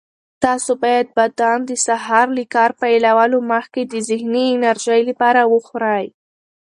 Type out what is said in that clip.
تاسو باید بادام د سهار له کار پیلولو مخکې د ذهني انرژۍ لپاره وخورئ.